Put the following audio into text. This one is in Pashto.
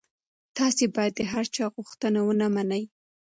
تاسي باید د هر چا غوښتنه ونه منئ.